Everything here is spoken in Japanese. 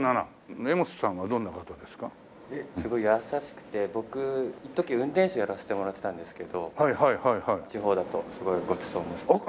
すごい優しくて僕いっとき運転手やらせてもらってたんですけど地方だとすごいごちそうもしてくれて。